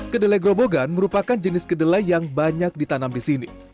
kedelai grobogan merupakan jenis kedelai yang banyak ditanam di sini